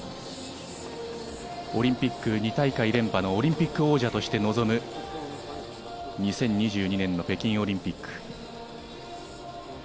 オリンピック２大会連覇のオリンピック王者として臨む２０２２年の北京オリンピック。